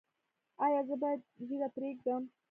ایا زه باید ږیره پریږدم؟